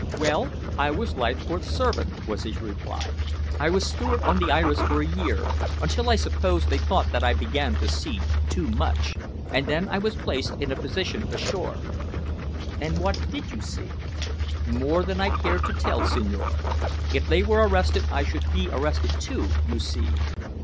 "Well, I was Leithcourt's servant," was his reply. "I was steward on the Iris for a year, until I suppose they thought that I began to see too much, and then I was placed in a position ashore." "And what did you see?" "More than I care to tell, signore. If they were arrested I should be arrested, too, you see."